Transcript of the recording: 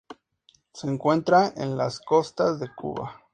Se encuentra en las costas de Cuba.